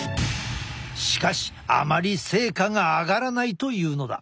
しかしあまり成果があがらないというのだ。